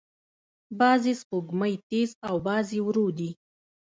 بعضې سپوږمۍ تیز او بعضې ورو دي.